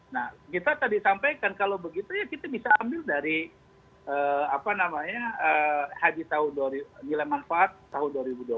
nah kita tadi sampaikan kalau begitu ya kita bisa ambil dari haji nilai manfaat tahun dua ribu dua puluh satu nilai manfaat tahun dua ribu dua puluh